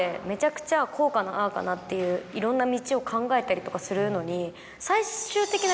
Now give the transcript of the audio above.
いろんな道を考えたりとかするのに。